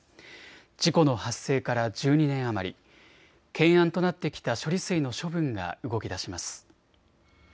事故の発生から１２年余り、懸案となってきた処理水の処分が動きだします。